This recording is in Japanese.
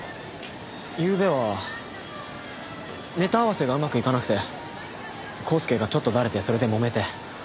ゆうべはネタ合わせがうまくいかなくてコースケがちょっとダレてそれでもめて。